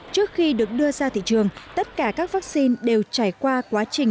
trước khi được đưa ra thị trường tất cả các vaccine đều trải qua quá trình